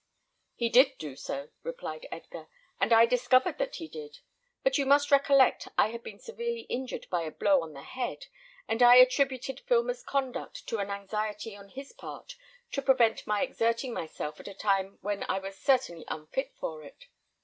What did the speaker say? "He did do so," replied Edgar, "and I discovered that he did; but you must recollect I had been severely injured by a blow on the head, and I attributed Filmer's conduct to an anxiety on his part to prevent my exerting myself at a time when I was certainly unfit for it.